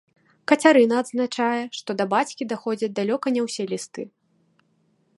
Кацярына адзначае, што да бацькі даходзяць далёка не ўсе лісты.